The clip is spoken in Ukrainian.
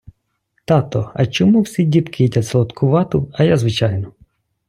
Тато, а чому всі дітки їдять солодку вату, а я звичайну?